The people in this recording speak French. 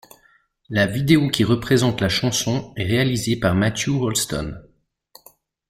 La vidéo qui représente la chanson, est réalisée par Matthew Rolston.